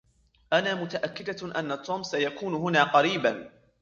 أنا متأكدة أن توم سيكون هنا قريباً.